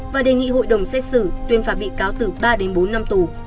và đề nghị hội đồng xét xử tuyên phạt bị cáo từ ba đến bốn năm tù